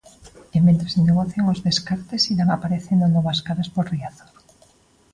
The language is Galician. E mentres se negocian os descartes irán aparecendo novas caras por Riazor.